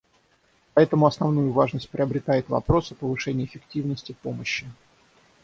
Поэтому основную важность приобретает вопрос о повышении эффективности помощи.